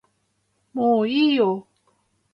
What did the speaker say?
もういいよ